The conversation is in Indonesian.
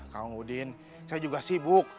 kang udin saya juga sibuk